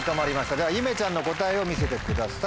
ではゆめちゃんの答えを見せてください。